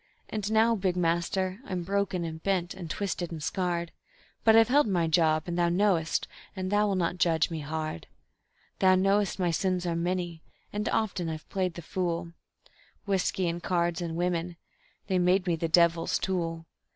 And now, Big Master, I'm broken and bent and twisted and scarred, But I've held my job, and Thou knowest, and Thou will not judge me hard. Thou knowest my sins are many, and often I've played the fool Whiskey and cards and women, they made me the devil's tool.